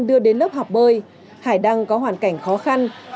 đưa đến lớp học bơi hải đăng có hoàn cảnh khó khăn